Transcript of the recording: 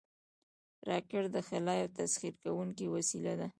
راکټ د خلا یو تسخیر کوونکی وسیله ده